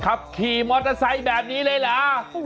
ขับขี่มอเตอร์ไซค์แบบนี้เลยเหรอ